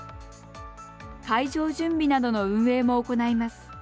会場準備などの運営も行います。